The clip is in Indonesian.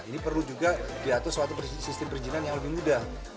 ini perlu juga diatur suatu sistem perizinan yang lebih mudah